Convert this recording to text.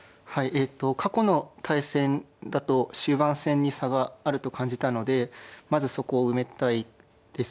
えっと過去の対戦だと終盤戦に差があると感じたのでまずそこを埋めたいです。